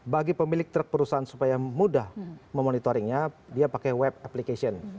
bagi pemilik truk perusahaan supaya mudah memonitoringnya dia pakai web application